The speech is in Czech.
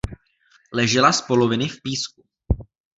Ležela z poloviny v písku.